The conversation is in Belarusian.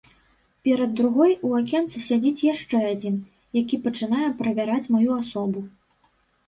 Перад другой у акенцы сядзіць яшчэ адзін, які пачынае правяраць маю асобу.